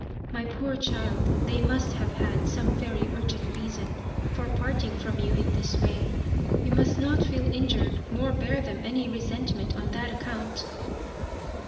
My poor child, they must have had some very urgent reason for parting from you in this way. You must not feel injured nor bear them any resentment on that account."